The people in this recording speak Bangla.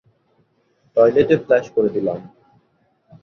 টয়লেটে ফ্ল্যাশ করে দিলাম।